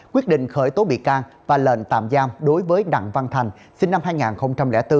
quyết định khởi tố bị can và lệnh tạm giam đối với đặng văn thành sinh năm hai nghìn bốn